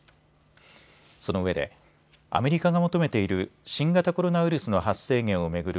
そのうえでアメリカが求めている新型コロナウイルスの発生源を巡る